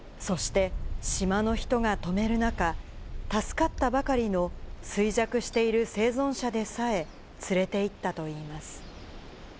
そして、島の人が止める中、助かったばかりの衰弱している生存者でさえ、連れていったといいます。